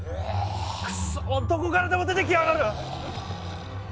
くっそどこからでも出てきやがる！